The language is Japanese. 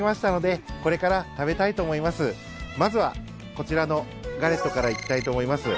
まずはこちらのガレットからいきたいと思います。